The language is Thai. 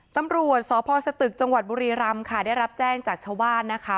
ตำรวจสพสตึกจังหวัดบุรีรำค่ะได้รับแจ้งจากชาวบ้านนะคะ